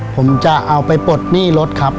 ผมจะเอาไปปลดหนี้รถครับ